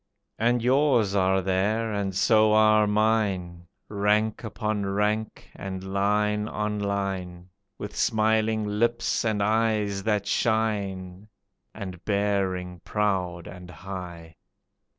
And yours are there, and so are mine, Rank upon rank and line on line, With smiling lips and eyes that shine, And bearing proud and high.